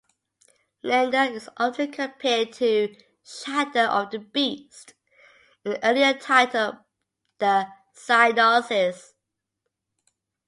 "Leander" is often compared to "Shadow of the Beast", an earlier title by Psygnosis.